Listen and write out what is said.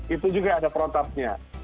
itu juga ada perotapnya